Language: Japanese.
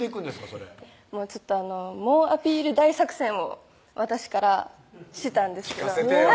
それ猛アピール大作戦を私からしてたんですけど聞かせてよ